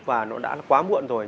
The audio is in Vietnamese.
và nó đã quá muộn rồi